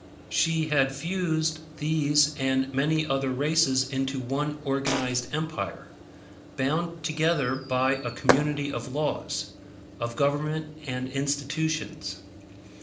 She had fused these and many other races into one organized empire, bound together by a community of laws, of government and institutions.